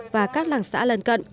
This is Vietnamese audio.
và các làng xã lân cận